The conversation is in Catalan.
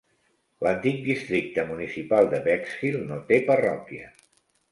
L'antic districte municipal de Bexhill no té parròquia.